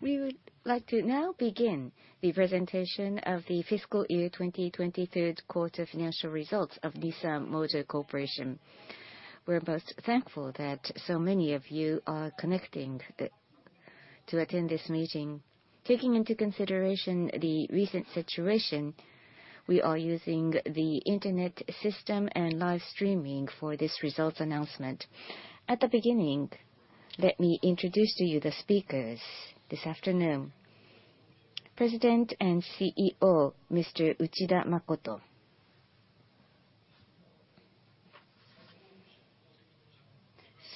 We would like to now begin the presentation of the fiscal year 2020 third quarter financial results of Nissan Motor Corporation. We're most thankful that so many of you are connecting to attend this meeting. Taking into consideration the recent situation, we are using the internet system and live streaming for this results announcement. At the beginning, let me introduce to you the speakers this afternoon. President and CEO, Mr. Uchida Makoto.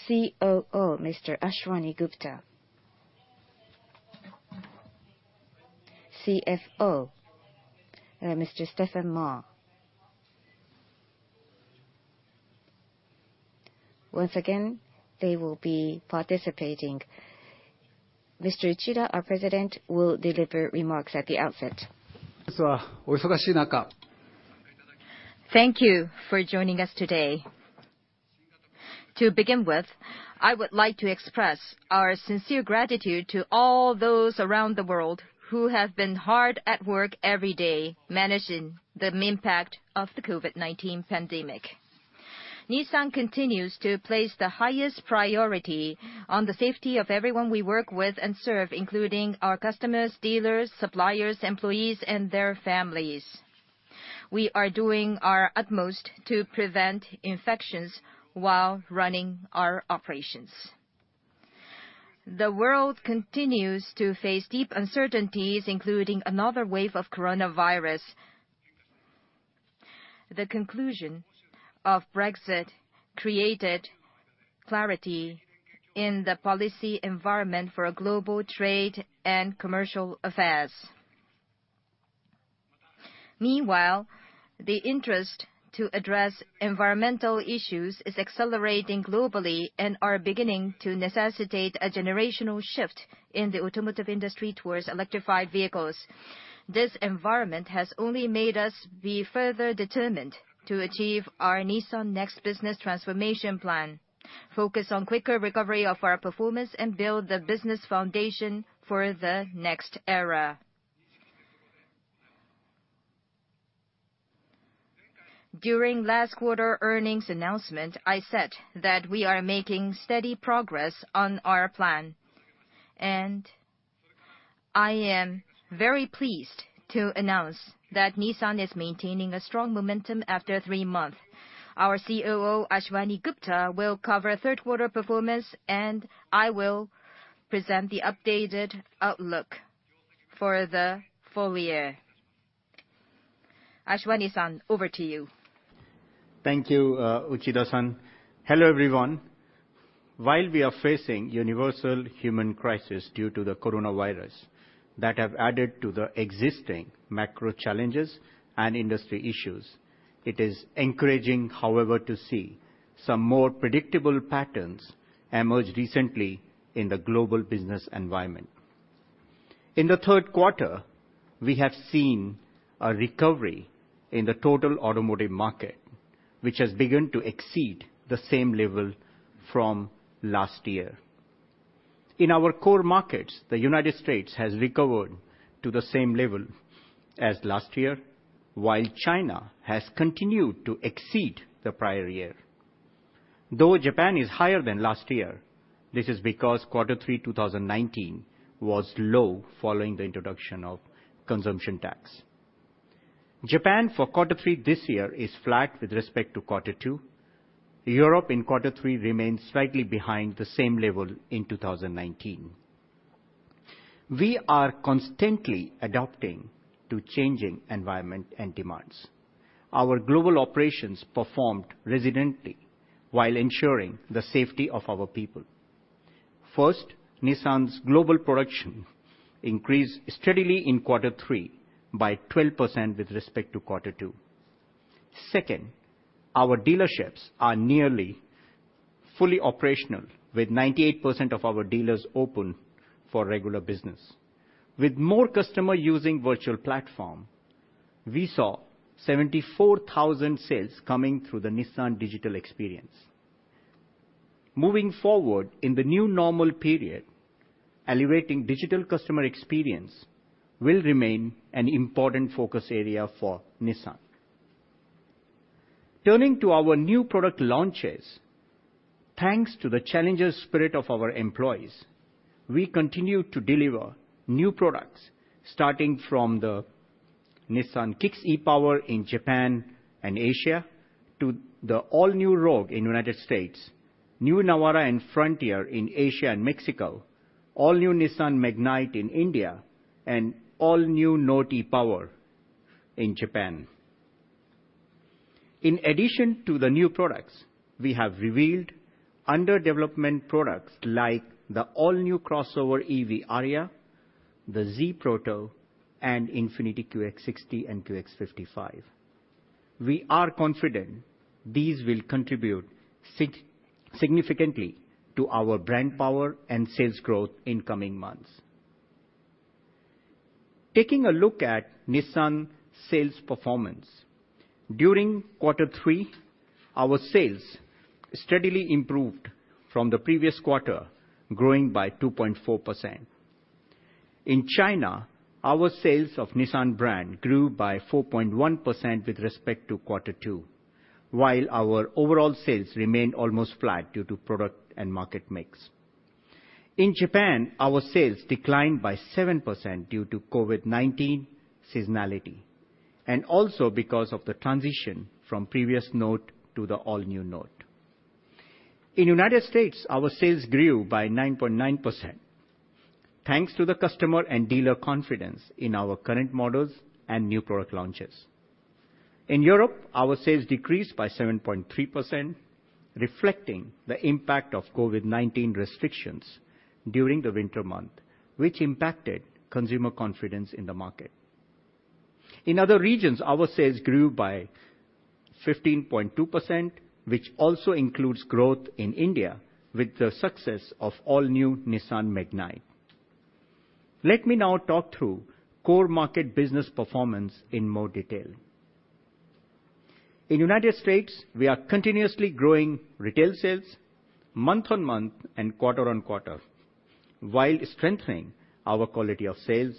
COO, Mr. Ashwani Gupta. CFO, Mr. Stephen Ma. Once again, they will be participating. Mr. Uchida, our president, will deliver remarks at the outset. Thank you for joining us today. To begin with, I would like to express our sincere gratitude to all those around the world who have been hard at work every day managing the impact of the COVID-19 pandemic. Nissan continues to place the highest priority on the safety of everyone we work with and serve, including our customers, dealers, suppliers, employees, and their families. We are doing our utmost to prevent infections while running our operations. The world continues to face deep uncertainties, including another wave of coronavirus. The conclusion of Brexit created clarity in the policy environment for global trade and commercial affairs. Meanwhile, the interest to address environmental issues is accelerating globally and are beginning to necessitate a generational shift in the automotive industry towards electrified vehicles. This environment has only made us be further determined to achieve our Nissan NEXT Business Transformation plan, focused on quicker recovery of our performance and build the business foundation for the next era. During last quarter earnings announcement, I said that we are making steady progress on our plan, and I am very pleased to announce that Nissan is maintaining a strong momentum after three months. Our COO, Ashwani Gupta, will cover third quarter performance, and I will present the updated outlook for the full year. Ashwani-san, over to you. Thank you, Uchida-san. Hello, everyone. While we are facing universal human crisis due to the coronavirus that have added to the existing macro challenges and industry issues, it is encouraging, however, to see some more predictable patterns emerge recently in the global business environment. In the third quarter, we have seen a recovery in the total automotive market, which has begun to exceed the same level from last year. In our core markets, the United States has recovered to the same level as last year, while China has continued to exceed the prior year. Japan is higher than last year, this is because quarter three 2019 was low following the introduction of consumption tax. Japan for quarter three this year is flat with respect to quarter two. Europe in quarter three remains slightly behind the same level in 2019. We are constantly adapting to changing environment and demands. Our global operations performed resiliently while ensuring the safety of our people. First, Nissan's global production increased steadily in quarter three by 12% with respect to quarter two. Second, our dealerships are nearly fully operational with 98% of our dealers open for regular business. With more customers using virtual platform, we saw 74,000 sales coming through the Nissan Digital Experience. Moving forward in the new normal period, elevating digital customer experience will remain an important focus area for Nissan. Turning to our new product launches, thanks to the challenging spirit of our employees, we continue to deliver new products starting from the Nissan Kicks e-POWER in Japan and Asia, to the all-new Rogue in United States, new Navara and Frontier in Asia and Mexico, all new Nissan Magnite in India, and all new Note e-POWER in Japan. In addition to the new products, we have revealed under development products like the all-new crossover EV Ariya, the Z Proto, and INFINITI QX60 and QX55. We are confident these will contribute significantly to our brand power and sales growth in coming months. Taking a look at Nissan sales performance. During quarter three, our sales steadily improved from the previous quarter, growing by 2.4%. In China, our sales of Nissan brand grew by 4.1% with respect to quarter two, while our overall sales remained almost flat due to product and market mix. In Japan, our sales declined by 7% due to COVID-19 seasonality, and also because of the transition from previous Note to the all-new Note. In U.S., our sales grew by 9.9%, thanks to the customer and dealer confidence in our current models and new product launches. In Europe, our sales decreased by 7.3%, reflecting the impact of COVID-19 restrictions during the winter month, which impacted consumer confidence in the market. In other regions, our sales grew by 15.2%, which also includes growth in India with the success of all-new Nissan Magnite. Let me now talk through core market business performance in more detail. In United States, we are continuously growing retail sales month-on-month and quarter-on-quarter, while strengthening our quality of sales,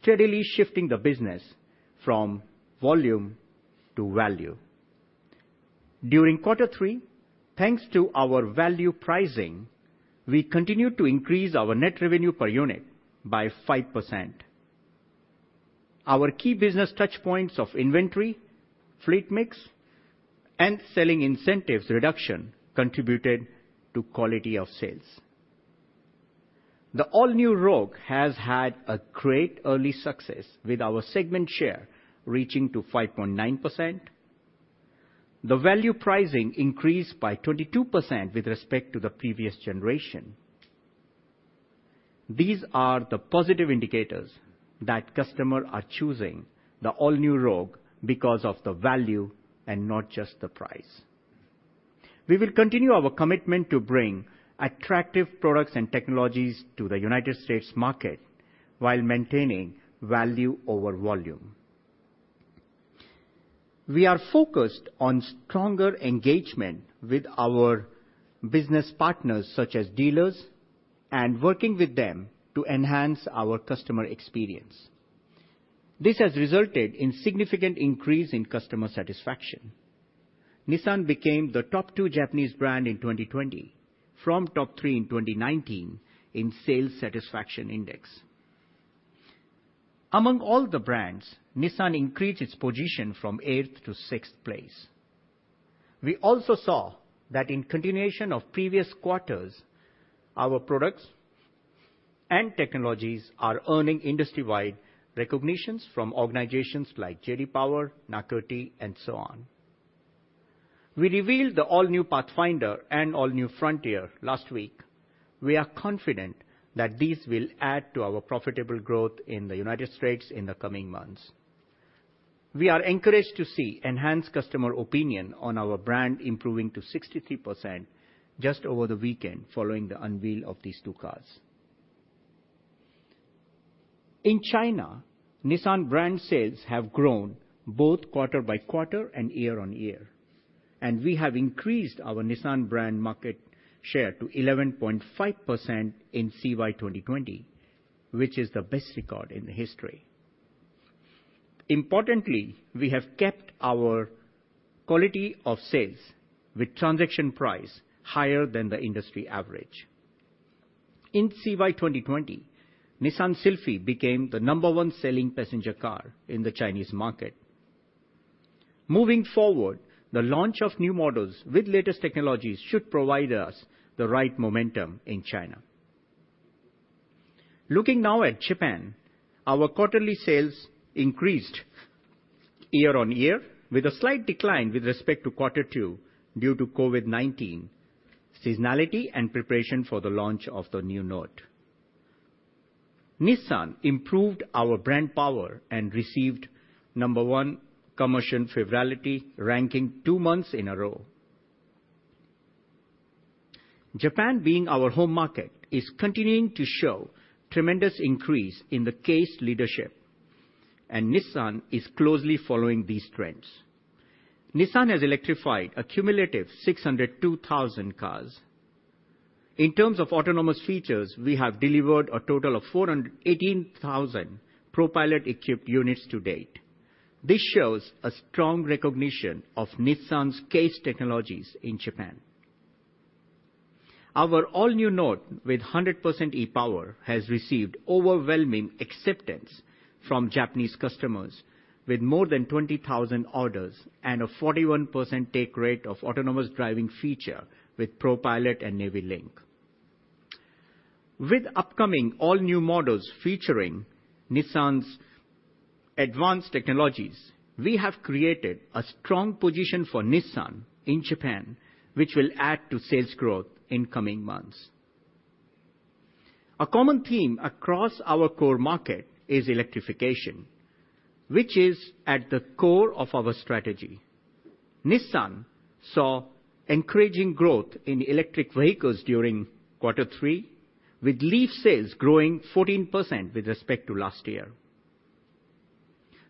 steadily shifting the business from volume to value. During quarter three, thanks to our value pricing, we continued to increase our net revenue per unit by 5%. Our key business touch points of inventory, fleet mix, and selling incentives reduction contributed to quality of sales. The all-new Rogue has had a great early success with our segment share reaching to 5.9%. The value pricing increased by 22% with respect to the previous generation. These are the positive indicators that customers are choosing the all-new Rogue because of the value and not just the price. We will continue our commitment to bring attractive products and technologies to the United States market while maintaining value over volume. We are focused on stronger engagement with our business partners such as dealers and working with them to enhance our customer experience. This has resulted in significant increase in customer satisfaction. Nissan became the top two Japanese brand in 2020 from top three in 2019 in sales satisfaction index. Among all the brands, Nissan increased its position from eighth to sixth place. We also saw that in continuation of previous quarters, our products and technologies are earning industry-wide recognitions from organizations like J.D. Power, NACTOY, and so on. We revealed the all-new Pathfinder and all-new Frontier last week. We are confident that these will add to our profitable growth in the United States in the coming months. We are encouraged to see enhanced customer opinion on our brand improving to 63% just over the weekend following the unveil of these two cars. In China, Nissan brand sales have grown both quarter-by-quarter and year-on-year. We have increased our Nissan brand market share to 11.5% in CY 2020, which is the best record in the history. Importantly, we have kept our quality of sales with transaction price higher than the industry average. In CY 2020, Nissan Sylphy became the number one selling passenger car in the Chinese market. Moving forward, the launch of new models with latest technologies should provide us the right momentum in China. Looking now at Japan, our quarterly sales increased year-over-year with a slight decline with respect to quarter two due to COVID-19 seasonality and preparation for the launch of the new Note. Nissan improved our brand power and received number one commercial favorability ranking two months in a row. Japan, being our home market, is continuing to show tremendous increase in the CASE leadership. Nissan is closely following these trends. Nissan has electrified a cumulative 602,000 cars. In terms of autonomous features, we have delivered a total of 418,000 ProPILOT-equipped units to date. This shows a strong recognition of Nissan's CASE technologies in Japan. Our all-new Note with 100% e-POWER has received overwhelming acceptance from Japanese customers with more than 20,000 orders and a 41% take rate of autonomous driving feature with ProPILOT and Navi-link. With upcoming all-new models featuring Nissan's advanced technologies, we have created a strong position for Nissan in Japan, which will add to sales growth in coming months. A common theme across our core market is electrification, which is at the core of our strategy. Nissan saw encouraging growth in electric vehicles during quarter three, with LEAF sales growing 14% with respect to last year.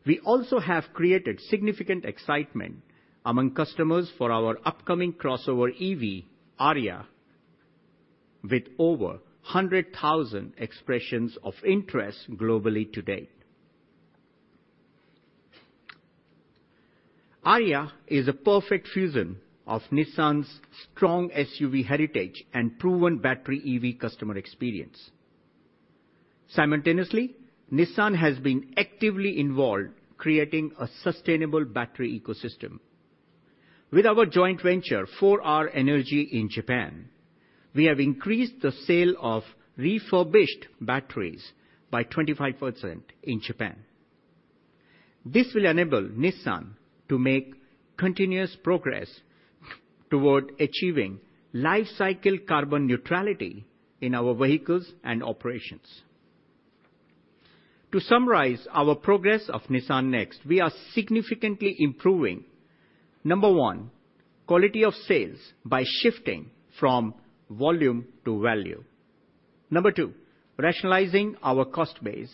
We also have created significant excitement among customers for our upcoming crossover EV, Ariya, with over 100,000 expressions of interest globally to date. Ariya is a perfect fusion of Nissan's strong SUV heritage and proven battery EV customer experience. Simultaneously, Nissan has been actively involved creating a sustainable battery ecosystem. With our joint venture, 4R Energy in Japan, we have increased the sale of refurbished batteries by 25% in Japan. This will enable Nissan to make continuous progress toward achieving life cycle carbon neutrality in our vehicles and operations. To summarize our progress of Nissan NEXT, we are significantly improving, number one, quality of sales by shifting from volume to value. Number two, rationalizing our cost base.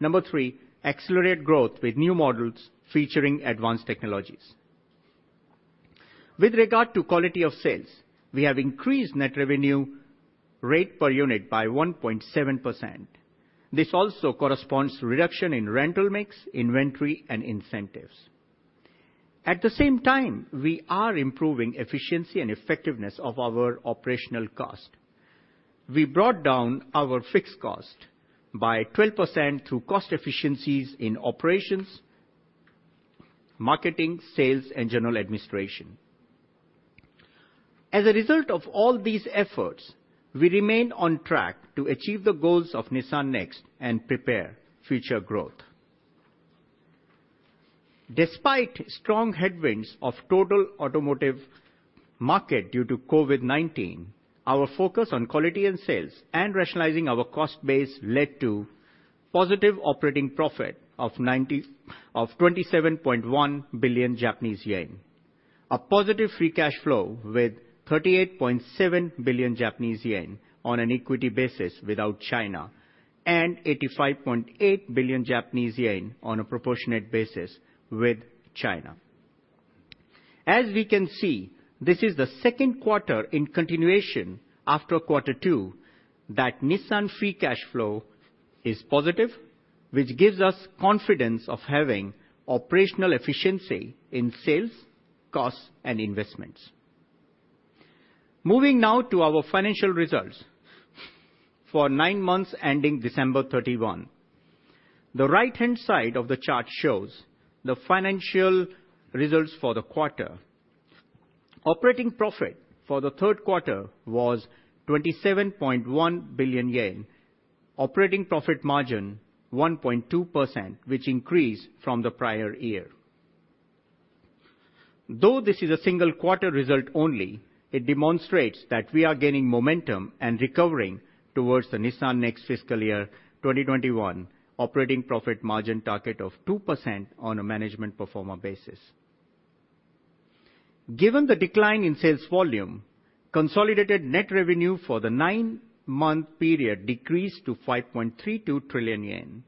Number three, accelerate growth with new models featuring advanced technologies. With regard to quality of sales, we have increased net revenue rate per unit by 1.7%. This also corresponds to reduction in rental mix, inventory, and incentives. At the same time, we are improving efficiency and effectiveness of our operational cost. We brought down our fixed cost by 12% through cost efficiencies in operations, marketing, sales, and general administration. As a result of all these efforts, we remain on track to achieve the goals of Nissan NEXT and prepare future growth. Despite strong headwinds of total automotive market due to COVID-19, our focus on quality and sales and rationalizing our cost base led to positive operating profit of 27.1 billion Japanese yen. A positive free cash flow with 38.7 billion Japanese yen on an equity basis without China, and 85.8 billion Japanese yen on a proportionate basis with China. As we can see, this is the second quarter in continuation after quarter two, that Nissan free cash flow is positive, which gives us confidence of having operational efficiency in sales, costs, and investments. Moving now to our financial results for nine months ending December 31. The right-hand side of the chart shows the financial results for the quarter. Operating profit for the third quarter was 27.1 billion yen. Operating profit margin 1.2%, which increased from the prior year. Though this is a single quarter result only, it demonstrates that we are gaining momentum and recovering towards the Nissan NEXT fiscal year 2021 operating profit margin target of 2% on a management pro forma basis. Given the decline in sales volume, consolidated net revenue for the nine-month period decreased to 5.32 trillion yen.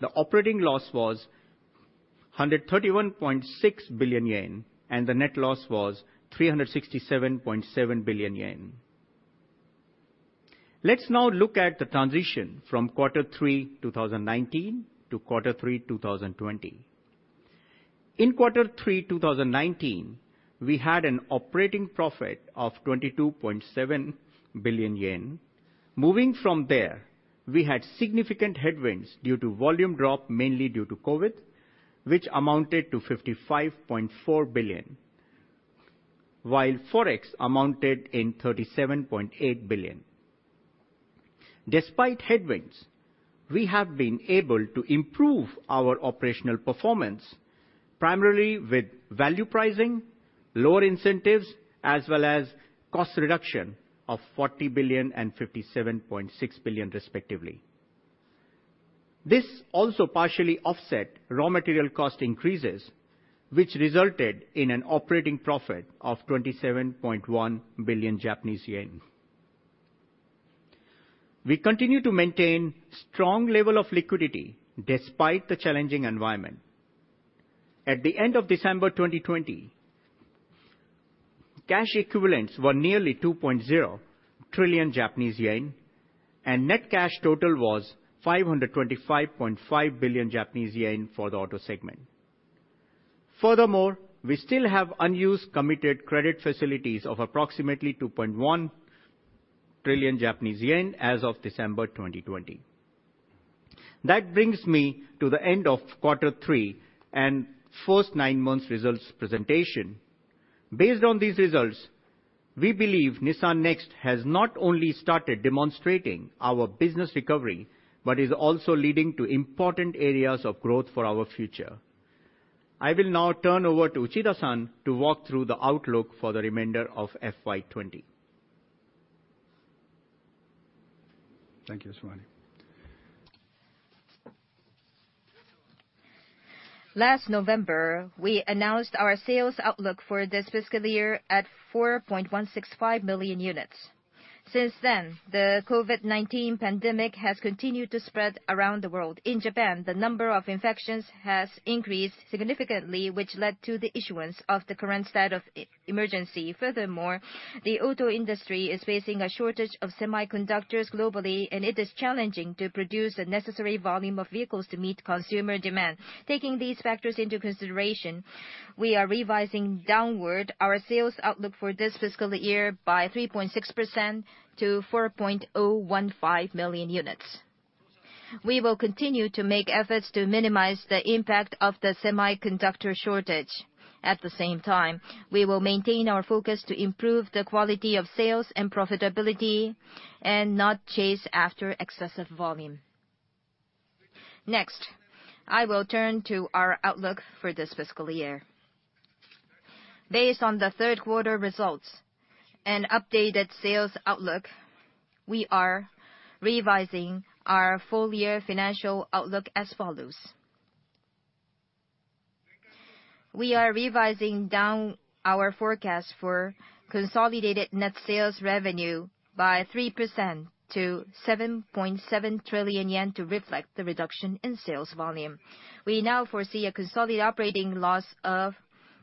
The operating loss was 131.6 billion yen, and the net loss was 367.7 billion yen. Let's now look at the transition from quarter three 2019 to quarter three 2020. In quarter three 2019, we had an operating profit of 22.7 billion yen. Moving from there, we had significant headwinds due to volume drop, mainly due to COVID, which amounted to 55.4 billion. While Forex amounted in 37.8 billion. Despite headwinds, we have been able to improve our operational performance, primarily with value pricing, lower incentives, as well as cost reduction of 40 billion and 57.6 billion respectively. This also partially offset raw material cost increases, which resulted in an operating profit of 27.1 billion Japanese yen. We continue to maintain strong level of liquidity despite the challenging environment. At the end of December 2020, cash equivalents were nearly 2.0 trillion Japanese yen, and net cash total was 525.5 billion Japanese yen for the auto segment. Furthermore, we still have unused committed credit facilities of approximately 2.1 trillion Japanese yen as of December 2020. Brings me to the end of quarter three and first nine months results presentation. Based on these results, we believe Nissan NEXT has not only started demonstrating our business recovery but is also leading to important areas of growth for our future. I will now turn over to Uchida-san to walk through the outlook for the remainder of FY 2020. Thank you, Ashwani. Last November, we announced our sales outlook for this fiscal year at 4.165 million units. The COVID-19 pandemic has continued to spread around the world. In Japan, the number of infections has increased significantly, which led to the issuance of the current state of emergency. The auto industry is facing a shortage of semiconductors globally, and it is challenging to produce the necessary volume of vehicles to meet consumer demand. Taking these factors into consideration, we are revising downward our sales outlook for this fiscal year by 3.6% to 4.015 million units. We will continue to make efforts to minimize the impact of the semiconductor shortage. We will maintain our focus to improve the quality of sales and profitability and not chase after excessive volume. I will turn to our outlook for this fiscal year. Based on the third quarter results and updated sales outlook, we are revising our full year financial outlook as follows. We are revising down our forecast for consolidated net sales revenue by 3% to 7.7 trillion yen to reflect the reduction in sales volume. We now foresee a consolidated operating loss of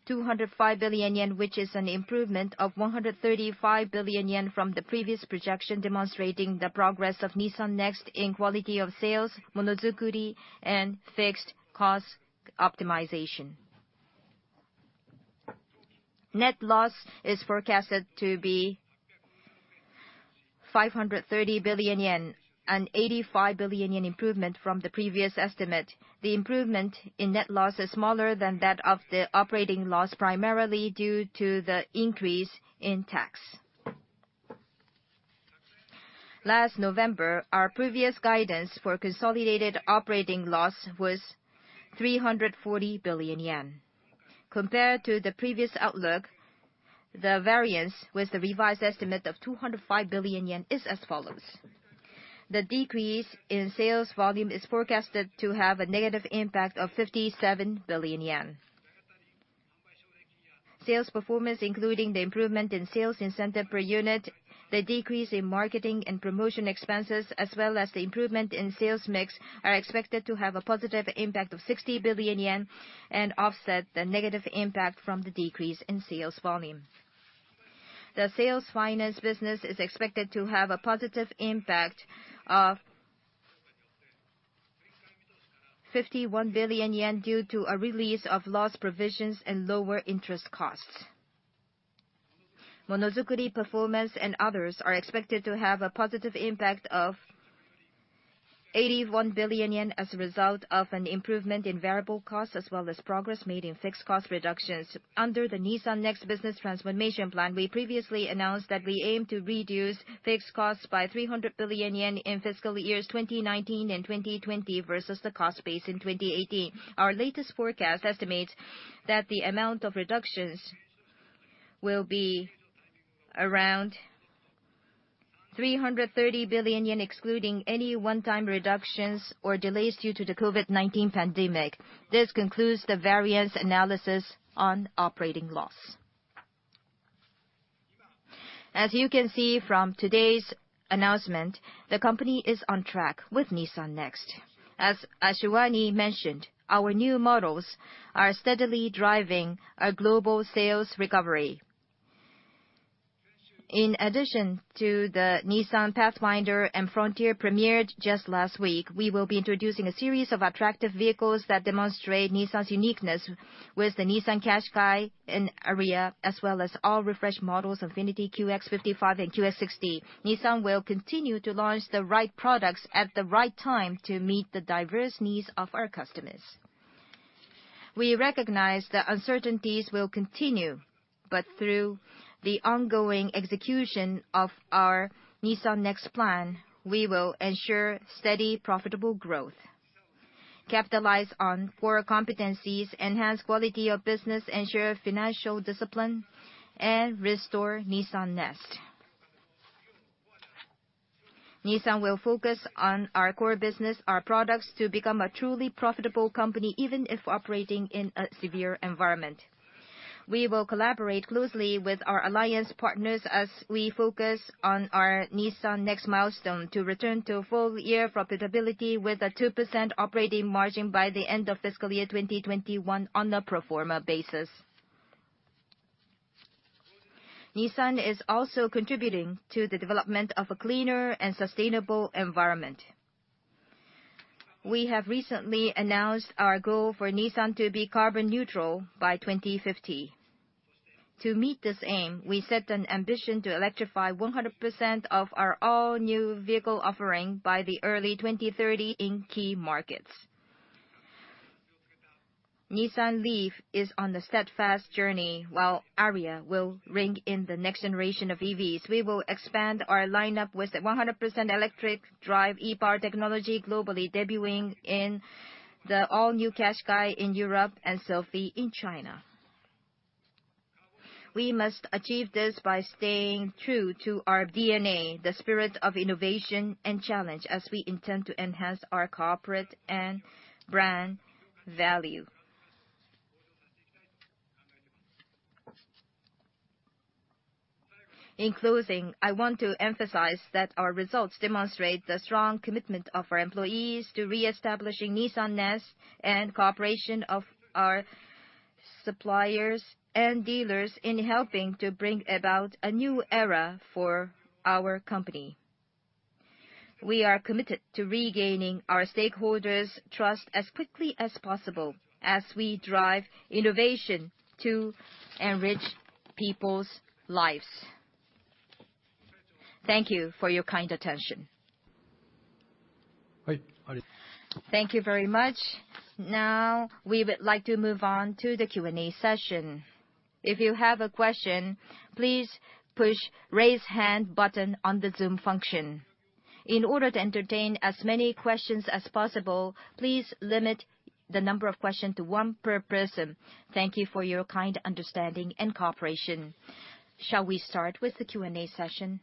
205 billion yen, which is an improvement of 135 billion yen from the previous projection, demonstrating the progress of Nissan NEXT in quality of sales, Monozukuri, and fixed cost optimization. Net loss is forecasted to be 530 billion yen, an 85 billion yen improvement from the previous estimate. The improvement in net loss is smaller than that of the operating loss, primarily due to the increase in tax. Last November, our previous guidance for consolidated operating loss was 340 billion yen. Compared to the previous outlook, the variance with the revised estimate of 205 billion yen is as follows. The decrease in sales volume is forecasted to have a negative impact of 57 billion yen. Sales performance, including the improvement in sales incentive per unit, the decrease in marketing and promotion expenses, as well as the improvement in sales mix, are expected to have a positive impact of 60 billion yen and offset the negative impact from the decrease in sales volume. The sales finance business is expected to have a positive impact of 51 billion yen due to a release of loss provisions and lower interest costs. Monozukuri performance and others are expected to have a positive impact of 81 billion yen as a result of an improvement in variable costs as well as progress made in fixed cost reductions. Under the Nissan NEXT business transformation plan, we previously announced that we aim to reduce fixed costs by 300 billion yen in fiscal years 2019 and 2020 versus the cost base in 2018. Our latest forecast estimates that the amount of reductions will be around 330 billion yen, excluding any one-time reductions or delays due to the COVID-19 pandemic. This concludes the variance analysis on operating loss. As you can see from today's announcement, the company is on track with Nissan NEXT. As Ashwani mentioned, our new models are steadily driving a global sales recovery. In addition to the Nissan Pathfinder and Frontier premiered just last week, we will be introducing a series of attractive vehicles that demonstrate Nissan's uniqueness with the Nissan Qashqai and Ariya, as well as all refreshed models, INFINITI QX55 and QX60. Nissan will continue to launch the right products at the right time to meet the diverse needs of our customers. We recognize that uncertainties will continue, but through the ongoing execution of our Nissan NEXT plan, we will ensure steady, profitable growth, capitalize on core competencies, enhance quality of business, ensure financial discipline, and restore Nissan NEXT. Nissan will focus on our core business, our products, to become a truly profitable company, even if operating in a severe environment. We will collaborate closely with our alliance partners as we focus on our Nissan NEXT milestone to return to full year profitability with a 2% operating margin by the end of fiscal year 2021 on a pro forma basis. Nissan is also contributing to the development of a cleaner and sustainable environment. We have recently announced our goal for Nissan to be carbon neutral by 2050. To meet this aim, we set an ambition to electrify 100% of our all-new vehicle offering by early 2030 in key markets. Nissan LEAF is on the steadfast journey, while Ariya will ring in the next generation of EVs. We will expand our lineup with the 100% electric drive e-POWER technology globally, debuting in the all-new Qashqai in Europe and Sylphy in China. We must achieve this by staying true to our DNA, the spirit of innovation and challenge, as we intend to enhance our corporate and brand value. In closing, I want to emphasize that our results demonstrate the strong commitment of our employees to reestablishing Nissanness, and cooperation of our suppliers and dealers in helping to bring about a new era for our company. We are committed to regaining our stakeholders' trust as quickly as possible as we drive innovation to enrich people's lives. Thank you for your kind attention. Right. Thank you very much. Now, we would like to move on to the Q&A session. If you have a question, please push raised hand button on the Zoom function. In order to entertain as many questions as possible, please limit the number of questions to one per person. Thank you for your kind understanding and cooperation. Shall we start with the Q&A session?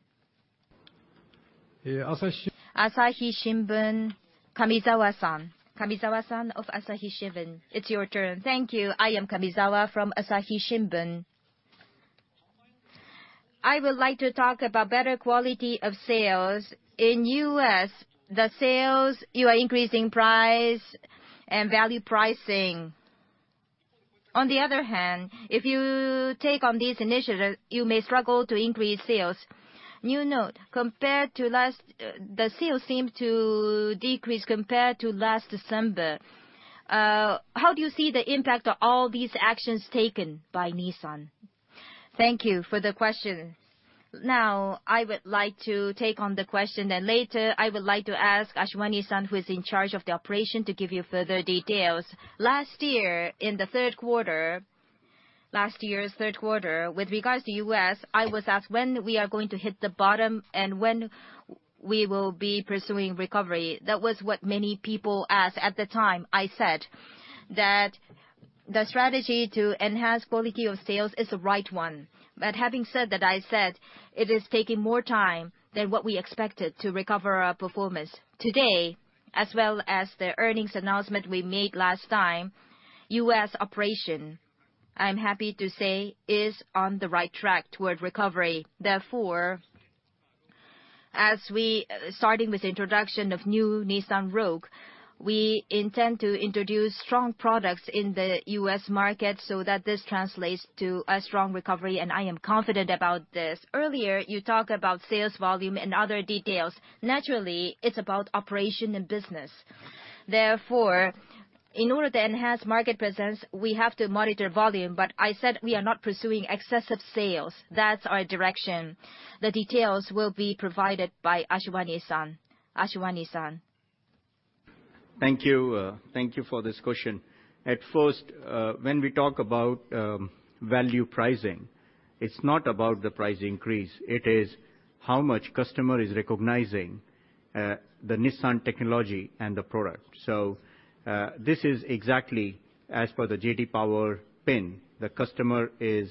Yeah. Asahi. Asahi Shimbun, Kamizawa-san. Kamizawa-san of Asahi Shimbun, it's your turn. Thank you. I am Kamizawa from Asahi Shimbun. I would like to talk about better quality of sales. In U.S., the sales, you are increasing price and value pricing. On the other hand, if you take on this initiative, you may struggle to increase sales. You note the sales seem to decrease compared to last December. How do you see the impact of all these actions taken by Nissan? Thank you for the question. I would like to take on the question, then later, I would like to ask Ashwani-san, who is in charge of the operation, to give you further details. Last year in the third quarter, last year's third quarter, with regards to U.S., I was asked when we are going to hit the bottom and when we will be pursuing recovery. That was what many people asked. At the time, I said that the strategy to enhance quality of sales is the right one. Having said that, I said it is taking more time than what we expected to recover our performance. Today, as well as the earnings announcement we made last time, U.S. operation, I'm happy to say, is on the right track toward recovery. Starting with the introduction of new Nissan Rogue, we intend to introduce strong products in the U.S. market so that this translates to a strong recovery, and I am confident about this. Earlier, you talk about sales volume and other details. Naturally, it's about operation and business. In order to enhance market presence, we have to monitor volume. I said we are not pursuing excessive sales. That's our direction. The details will be provided by Ashwani-san. Ashwani-san. Thank you. Thank you for this question. First, when we talk about value pricing, it's not about the price increase, it is how much customer is recognizing the Nissan technology and the product. This is exactly as per the J.D. Power. The customer is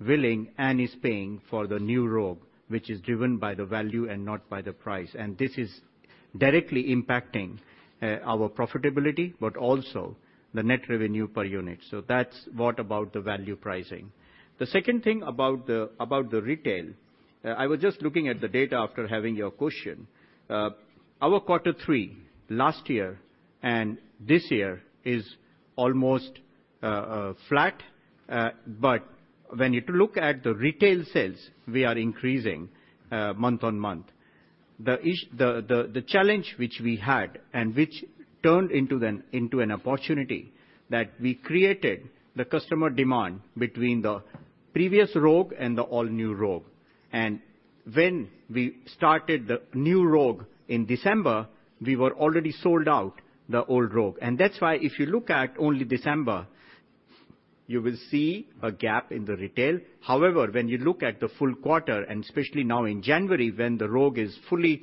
willing and is paying for the new Rogue, which is driven by the value and not by the price. This is directly impacting our profitability, but also the net revenue per unit. That's what about the value pricing. The second thing about the retail, I was just looking at the data after having your question. Our quarter three last year and this year is almost flat. When you look at the retail sales, we are increasing month-on-month. The challenge which we had and which turned into an opportunity that we created the customer demand between the previous Rogue and the all-new Rogue. When we started the new Rogue in December, we were already sold out the old Rogue. That's why if you look at only December, you will see a gap in the retail. However, when you look at the full quarter, and especially now in January when the Rogue is fully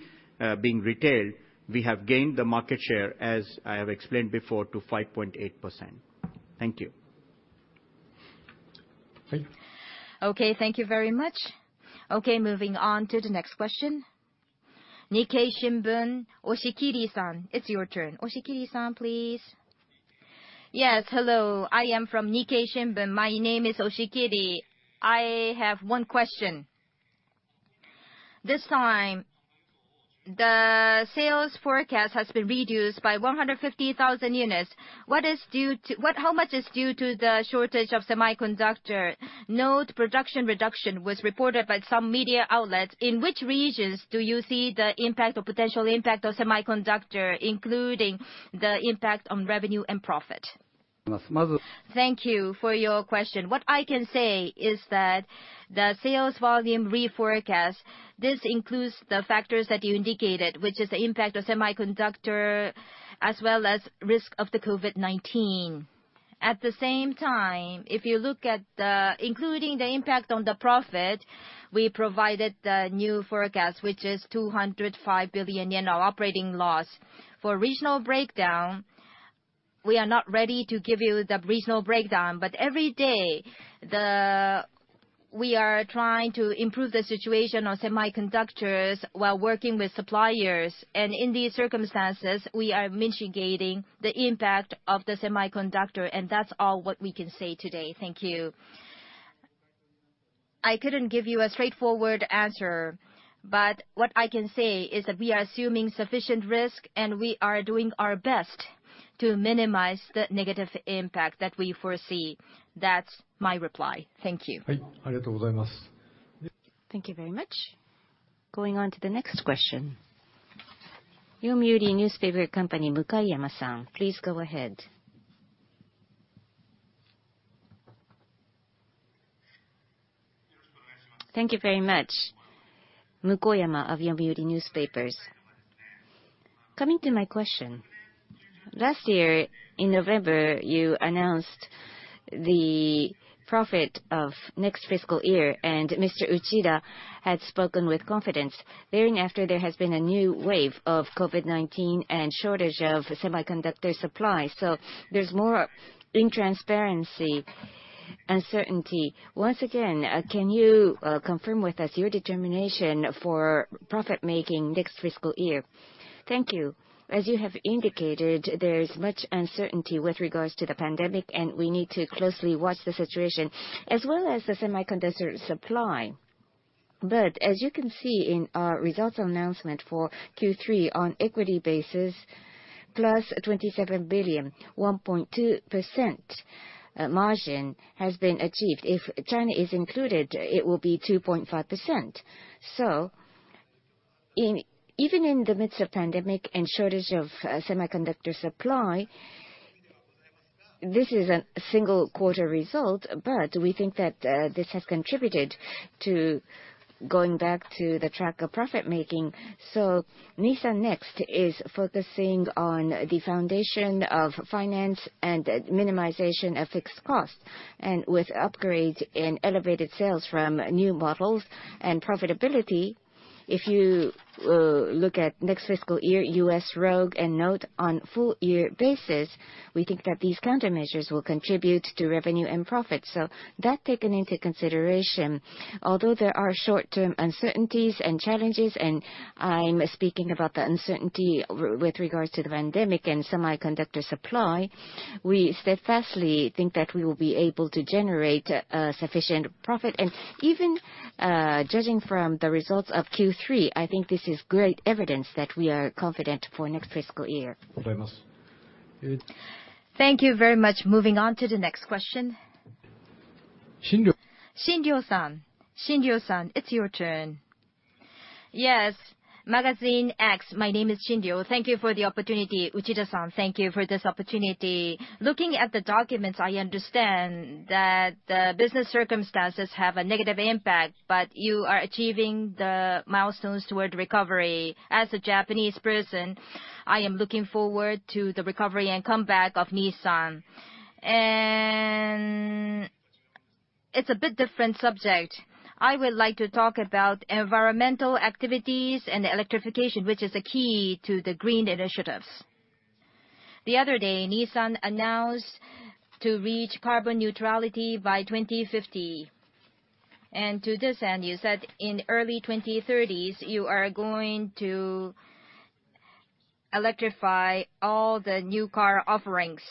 being retailed, we have gained the market share, as I have explained before, to 5.8%. Thank you. Right. Thank you very much. Moving on to the next question. Nikkei Shimbun, Oshikiri-san, it's your turn. Oshikiri-san, please. Hello, I am from Nikkei Shimbun. My name is Oshikiri. I have one question. This time, the sales forecast has been reduced by 150,000 units. How much is due to the shortage of semiconductor? Note production reduction was reported by some media outlets. In which regions do you see the impact or potential impact of semiconductor, including the impact on revenue and profit? Thank you for your question. What I can say is that the sales volume reforecast, this includes the factors that you indicated, which is the impact of semiconductor as well as risk of the COVID-19. If you look at including the impact on the profit, we provided the new forecast, which is 205 billion yen of operating loss. For regional breakdown- We are not ready to give you the regional breakdown, but every day, we are trying to improve the situation on semiconductors while working with suppliers. In these circumstances, we are mitigating the impact of the semiconductor, and that's all what we can say today. Thank you. I couldn't give you a straightforward answer, but what I can say is that we are assuming sufficient risk, and we are doing our best to minimize the negative impact that we foresee. That's my reply. Thank you. Thank you very much. Going on to the next question. Yomiuri Shimbun company, Mukoyama San, please go ahead. Thank you very much. Mukoyama of Yomiuri Shimbun. Coming to my question, last year, in November, you announced the profit of next fiscal year, and Mr. Uchida had spoken with confidence. Thereafter, there has been a new wave of COVID-19 and shortage of semiconductor supply. There's more intransparency, uncertainty. Once again, can you confirm with us your determination for profit-making next fiscal year? Thank you. As you have indicated, there is much uncertainty with regards to the pandemic, and we need to closely watch the situation, as well as the semiconductor supply. As you can see in our results announcement for Q3 on equity basis, plus 27 billion, 1.2% margin has been achieved. If China is included, it will be 2.5%. Even in the midst of pandemic and shortage of semiconductor supply, this is a single quarter result, but we think that this has contributed to going back to the track of profit-making. Nissan NEXT is focusing on the foundation of finance and minimization of fixed costs. With upgrades in elevated sales from new models and profitability, if you look at next fiscal year, U.S. Rogue and Note on full year basis, we think that these countermeasures will contribute to revenue and profit. That taken into consideration, although there are short-term uncertainties and challenges, and I'm speaking about the uncertainty with regards to the pandemic and semiconductor supply, we steadfastly think that we will be able to generate a sufficient profit. Even judging from the results of Q3, I think this is great evidence that we are confident for next fiscal year. Thank you very much. Moving on to the next question. Shindo-san. Shindo-san, it's your turn. Yes. Magazine X. My name is Shindo. Thank you for the opportunity. Uchida San, thank you for this opportunity. Looking at the documents, I understand that the business circumstances have a negative impact. You are achieving the milestones toward recovery. As a Japanese person, I am looking forward to the recovery and comeback of Nissan. It's a bit different subject. I would like to talk about environmental activities and electrification, which is a key to the green initiatives. The other day, Nissan announced to reach carbon neutrality by 2050. To this end, you said in early 2030s, you are going to electrify all the new car offerings.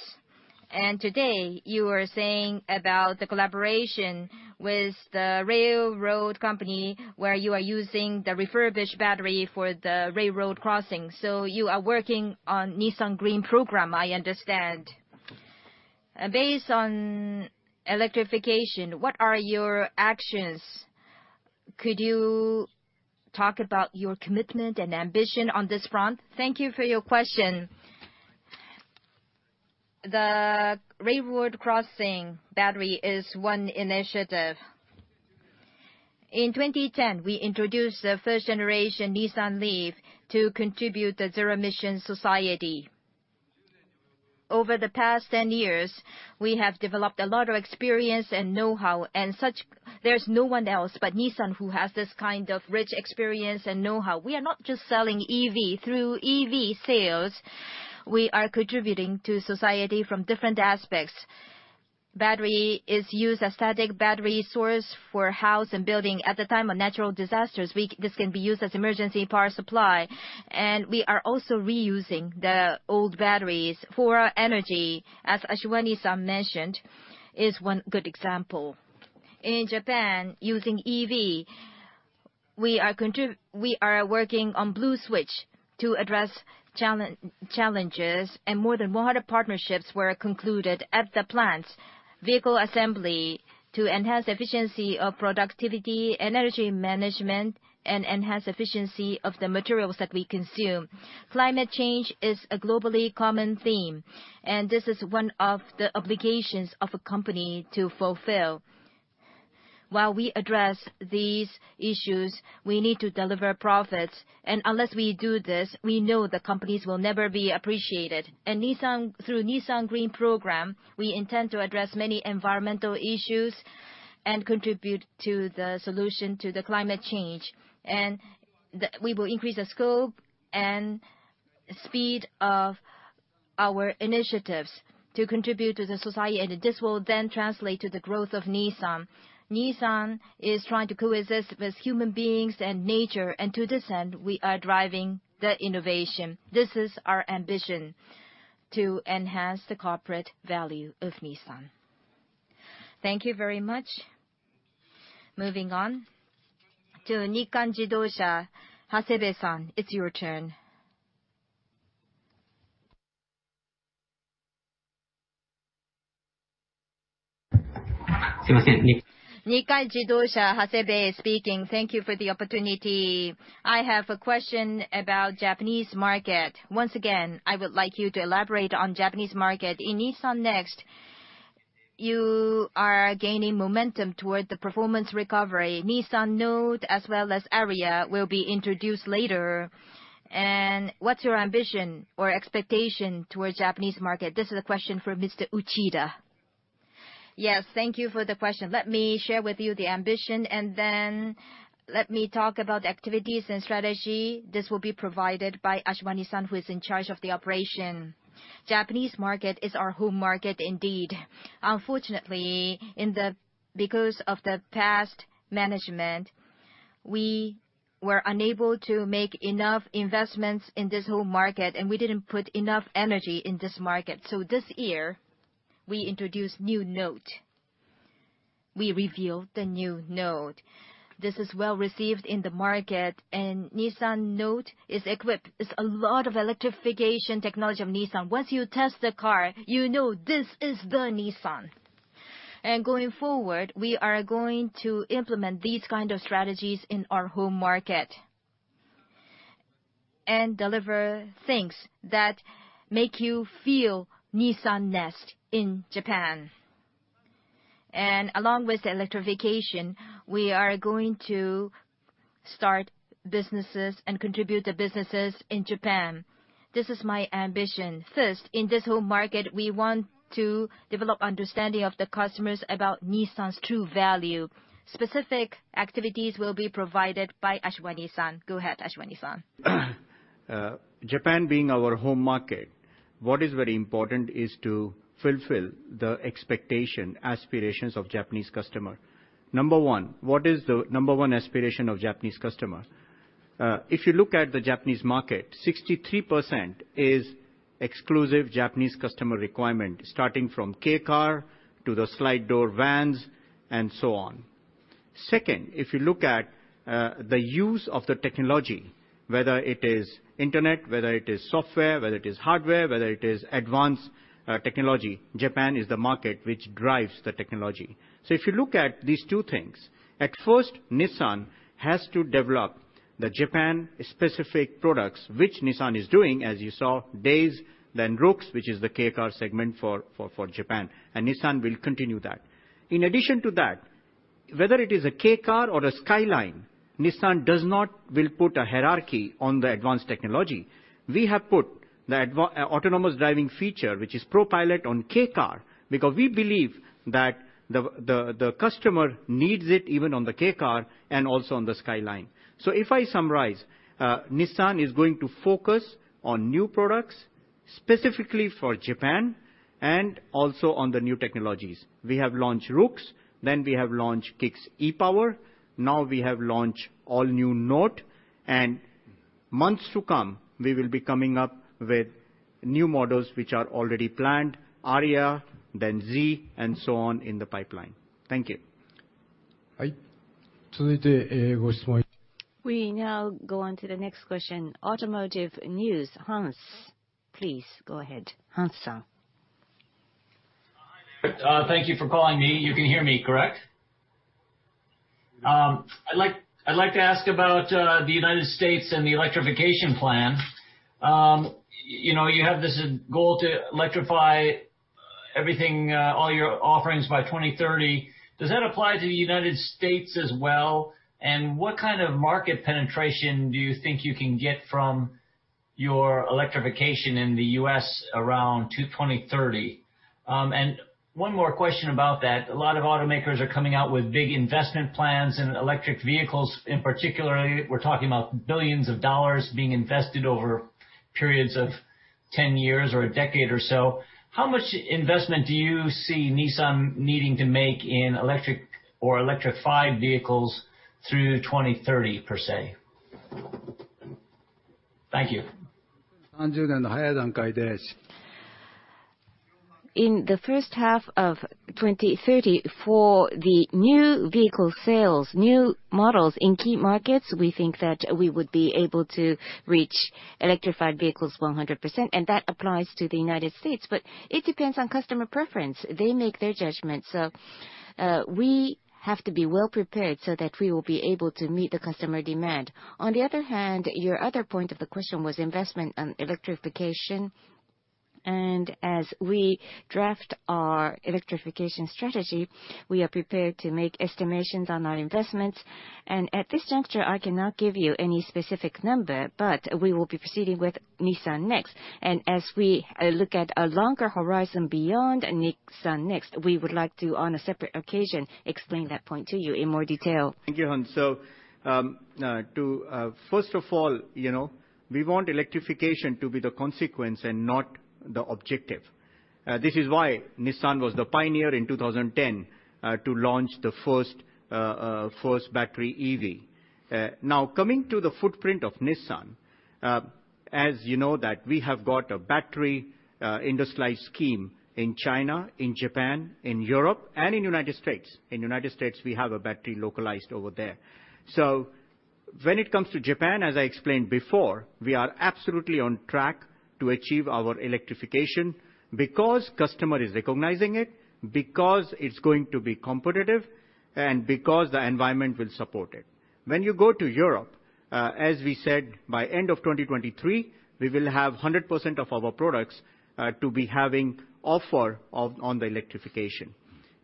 Today, you were saying about the collaboration with the railroad company, where you are using the refurbished battery for the railroad crossing. You are working on Nissan Green Program, I understand. Based on electrification, what are your actions? Could you talk about your commitment and ambition on this front? Thank you for your question. The railroad crossing battery is one initiative. In 2010, we introduced the first generation Nissan LEAF to contribute to zero emission society. Over the past 10 years, we have developed a lot of experience and know-how and such. There's no one else but Nissan who has this kind of rich experience and know-how. We are not just selling EV. Through EV sales, we are contributing to society from different aspects. Battery is used as static battery source for house and building. At the time of natural disasters, this can be used as emergency power supply. We are also reusing the old batteries for energy, as Ashwani-san mentioned, is one good example. In Japan, using EV, we are working on Blue Switch to address challenges. More partnerships were concluded at the plant vehicle assembly to enhance efficiency of productivity, energy management, and enhance efficiency of the materials that we consume. Climate change is a globally common theme. This is one of the obligations of a company to fulfill. While we address these issues, we need to deliver profits. Unless we do this, we know the companies will never be appreciated. Through Nissan Green Program, we intend to address many environmental issues and contribute to the solution to the climate change. We will increase the scope and Speed of our initiatives to contribute to the society, and this will then translate to the growth of Nissan. Nissan is trying to coexist with human beings and nature. To this end, we are driving the innovation. This is our ambition to enhance the corporate value of Nissan. Thank you very much. Moving on to Nikkan Jidosha. Hasebe-san, it's your turn. Nikkan Jidosha, Hasebe speaking. Thank you for the opportunity. I have a question about Japanese market. Once again, I would like you to elaborate on Japanese market. In Nissan NEXT, you are gaining momentum toward the performance recovery. Nissan Note, as well as Ariya, will be introduced later. What's your ambition or expectation towards Japanese market? This is a question for Mr. Uchida. Yes, thank you for the question. Let me share with you the ambition, and then let me talk about the activities and strategy. This will be provided by Ashwani-san, who is in charge of the operation. Japanese market is our home market indeed. Unfortunately, because of the past management, we were unable to make enough investments in this home market, and we didn't put enough energy in this market. This year, we introduced new Note. We revealed the new Note. This is well-received in the market, and Nissan Note is equipped with a lot of electrification technology of Nissan. Once you test the car, you know this is the Nissan. Going forward, we are going to implement these kind of strategies in our home market and deliver things that make you feel Nissan NEXT in Japan. Along with the electrification, we are going to start businesses and contribute to businesses in Japan. This is my ambition. First, in this home market, we want to develop understanding of the customers about Nissan's true value. Specific activities will be provided by Ashwani-san. Go ahead, Ashwani-san. Japan being our home market, what is very important is to fulfill the expectation, aspirations of Japanese customer. Number one, what is the number one aspiration of Japanese customer? If you look at the Japanese market, 63% is exclusive Japanese customer requirement, starting from kei car to the slide door vans and so on. Second, if you look at the use of the technology, whether it is internet, whether it is software, whether it is hardware, whether it is advanced technology, Japan is the market which drives the technology. If you look at these two things, at first, Nissan has to develop the Japan-specific products, which Nissan is doing, as you saw, Dayz, then Roox, which is the kei car segment for Japan. Nissan will continue that. In addition to that, whether it is a kei car or a Skyline, Nissan does not will put a hierarchy on the advanced technology. We have put the autonomous driving feature, which is ProPILOT, on kei car, because we believe that the customer needs it even on the kei car and also on the Skyline. If I summarize, Nissan is going to focus on new products specifically for Japan and also on the new technologies. We have launched Roox, we have launched Kicks e-POWER. We have launched all-new Note, months to come, we will be coming up with new models which are already planned, Ariya, Z, so on in the pipeline. Thank you. We now go on to the next question. Automotive News, Hans. Please go ahead. Hans-san. Hi there. Thank you for calling me. You can hear me, correct? I'd like to ask about the U.S. and the electrification plan. You have this goal to electrify everything, all your offerings by 2030. Does that apply to the U.S. as well? What kind of market penetration do you think you can get from your electrification in the U.S. around 2030? One more question about that. A lot of automakers are coming out with big investment plans in electric vehicles, in particular, we're talking about billions of JPY being invested over periods of 10 years or a decade or so. How much investment do you see Nissan needing to make in electric or electrified vehicles through 2030, per se? Thank you. In the first half of 2030 for the new vehicle sales, new models in key markets, we think that we would be able to reach electrified vehicles 100%, and that applies to the U.S. It depends on customer preference. They make their judgment. We have to be well prepared so that we will be able to meet the customer demand. On the other hand, your other point of the question was investment on electrification. As we draft our electrification strategy, we are prepared to make estimations on our investments. At this juncture, I cannot give you any specific number, but we will be proceeding with Nissan NEXT. As we look at a longer horizon beyond Nissan NEXT, we would like to, on a separate occasion, Ashwani will explain that point to you in more detail. Thank you. First of all, we want electrification to be the consequence and not the objective. This is why Nissan was the pioneer in 2010 to launch the first battery EV. Coming to the footprint of Nissan, as you know that we have got a battery industrial scheme in China, in Japan, in Europe, and in the U.S. In the U.S., we have a battery localized over there. When it comes to Japan, as I explained before, we are absolutely on track to achieve our electrification because customer is recognizing it, because it's going to be competitive, and because the environment will support it. When you go to Europe, as we said, by end of 2023, we will have 100% of our products to be having offer on the electrification.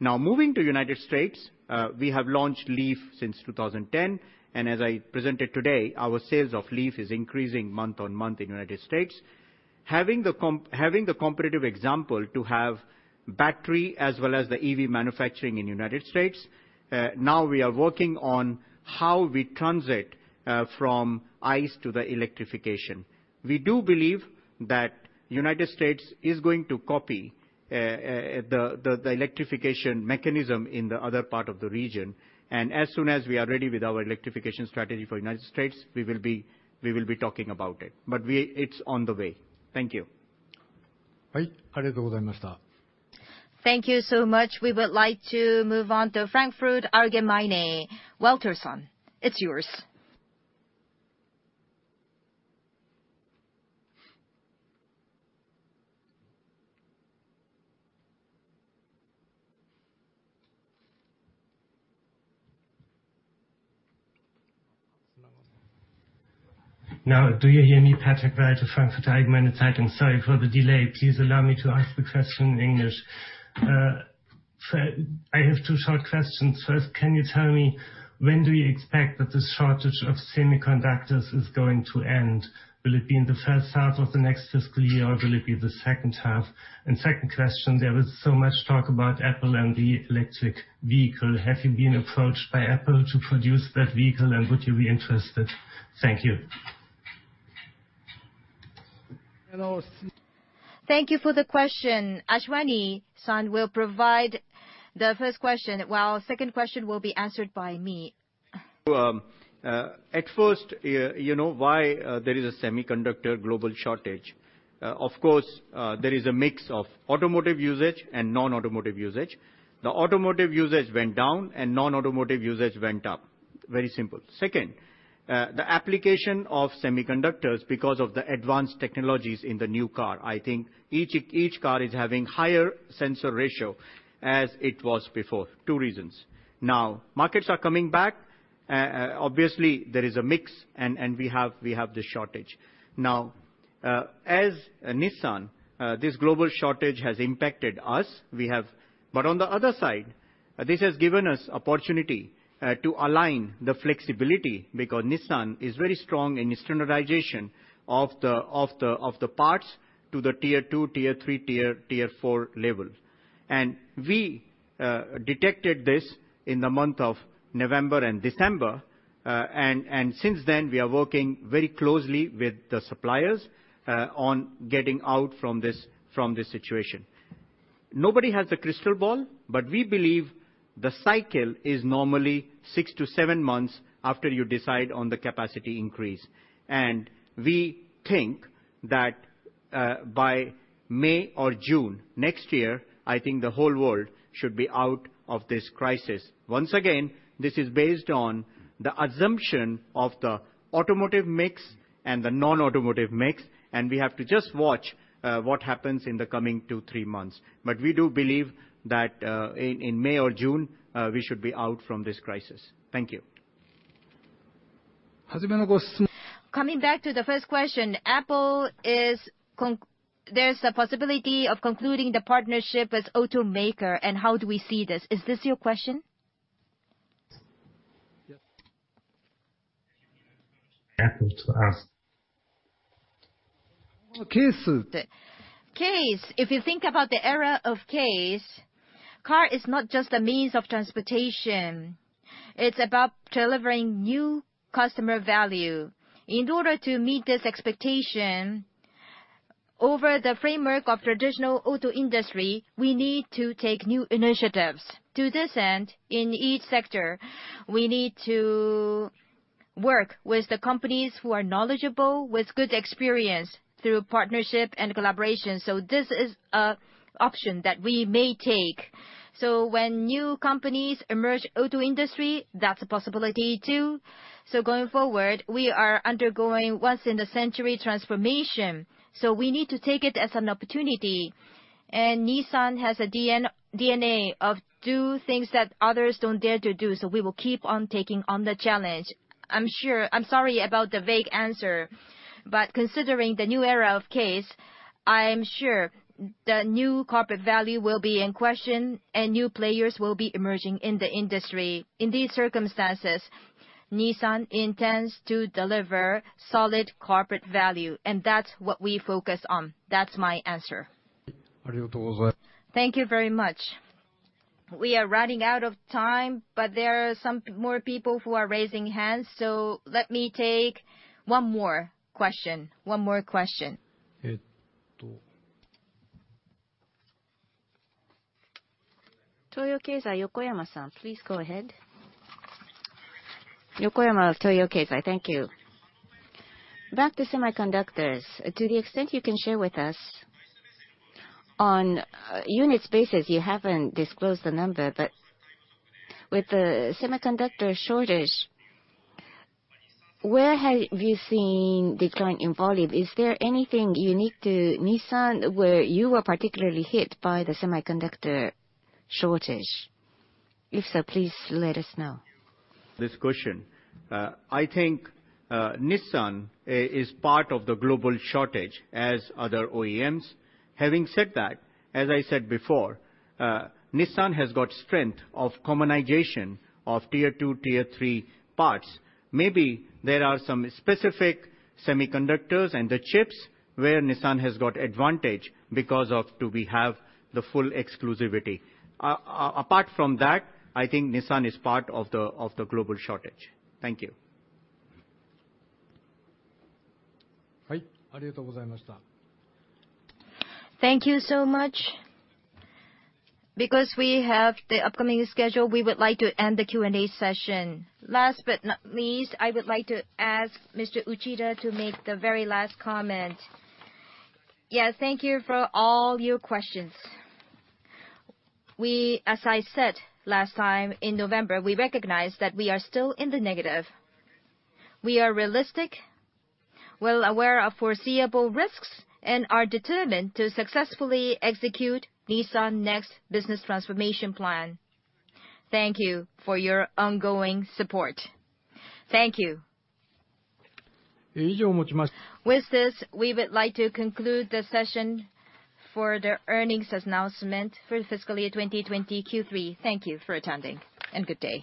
Moving to the U.S., we have launched LEAF since 2010, and as I presented today, our sales of LEAF is increasing month-on-month in the U.S. Having the competitive example to have battery as well as the EV manufacturing in the U.S., now we are working on how we transit from ICE to the electrification. We do believe that the U.S. is going to copy the electrification mechanism in the other part of the region. As soon as we are ready with our electrification strategy for the U.S., we will be talking about it, but it's on the way. Thank you. Thank you so much. We would like to move on to Frankfurter Allgemeine. Patrick Welter, it's yours. Now, do you hear me? Patrick from Frankfurter Allgemeine Zeitung. Sorry for the delay. Please allow me to ask the question in English. I have two short questions. First, can you tell me when do you expect that the shortage of semiconductors is going to end? Will it be in the first half of the next fiscal year, or will it be the second half? Second question, there is so much talk about Apple and the electric vehicle. Have you been approached by Apple to produce that vehicle, and would you be interested? Thank you. Hello. Thank you for the question. Ashwani-san will provide the first question, while second question will be answered by me. At first, you know why there is a semiconductor global shortage. Of course, there is a mix of automotive usage and non-automotive usage. The automotive usage went down and non-automotive usage went up. Very simple. Second, the application of semiconductors, because of the advanced technologies in the new car, I think each car is having higher sensor ratio as it was before. Two reasons. Markets are coming back. Obviously, there is a mix, and we have this shortage. As Nissan, this global shortage has impacted us. On the other side, this has given us opportunity to align the flexibility because Nissan is very strong in standardization of the parts to the tier two, tier three, tier four level. We detected this in the month of November and December, and since then, we are working very closely with the suppliers on getting out from this situation. Nobody has a crystal ball. We believe the cycle is normally six to seven months after you decide on the capacity increase. We think that by May or June next year, I think the whole world should be out of this crisis. Once again, this is based on the assumption of the automotive mix and the non-automotive mix, and we have to just watch what happens in the coming two, three months. We do believe that in May or June, we should be out from this crisis. Thank you. Coming back to the first question, there's a possibility of concluding the partnership with automaker, and how do we see this? Is this your question? Yes. Apple to us. CASE. If you think about the era of CASE, car is not just a means of transportation. It's about delivering new customer value. In order to meet this expectation over the framework of traditional auto industry, we need to take new initiatives. To this end, in each sector, we need to work with the companies who are knowledgeable, with good experience through partnership and collaboration. This is an option that we may take. When new companies emerge auto industry, that's a possibility, too. Going forward, we are undergoing once-in-a-century transformation. We need to take it as an opportunity. Nissan has a DNA of do things that others don't dare to do. We will keep on taking on the challenge. I'm sorry about the vague answer. Considering the new era of CASE, I am sure the new corporate value will be in question and new players will be emerging in the industry. In these circumstances, Nissan intends to deliver solid corporate value, and that's what we focus on. That's my answer. Thank you very much. We are running out of time. There are some more people who are raising hands. Let me take one more question. One more question. Please go ahead. Thank you. Back to semiconductors. To the extent you can share with us, on a unit basis, you haven't disclosed the number, with the semiconductor shortage, where have you seen decline in volume? Is there anything unique to Nissan where you were particularly hit by the semiconductor shortage? If so, please let us know. This question. I think Nissan is part of the global shortage as other OEMs. Having said that, as I said before, Nissan has got strength of commonization of tier two, tier three parts. Maybe there are some specific semiconductors and the chips where Nissan has got advantage because of do we have the full exclusivity. Apart from that, I think Nissan is part of the global shortage. Thank you. Thank you so much. Because we have the upcoming schedule, we would like to end the Q&A session. Last but not least, I would like to ask Mr. Uchida to make the very last comment. Yes. Thank you for all your questions. As I said last time in November, we recognize that we are still in the negative. We are realistic, well aware of foreseeable risks, and are determined to successfully execute Nissan NEXT business transformation plan. Thank you for your ongoing support. Thank you. With this, we would like to conclude the session for the earnings announcement for fiscal year 2020 Q3. Thank you for attending, and good day.